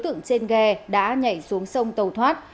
tượng trên ghe đã nhảy xuống sông tàu thoát